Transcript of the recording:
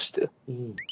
うん。